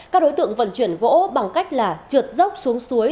các đối tượng vận chuyển gỗ bằng cách là trượt dốc xuống suối